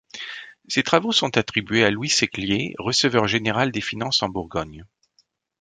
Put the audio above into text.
Ces travaux sont attribués à Louis Seclier, receveur général des Finances en Bourgogne.